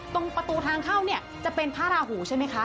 ตรงประตูทางเข้าเนี่ยจะเป็นพระราหูใช่ไหมคะ